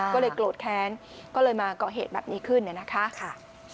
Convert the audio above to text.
ก็เลยโกรธแค้นก็เลยมาเกาะเหตุแบบนี้ขึ้นเนี่ยนะคะ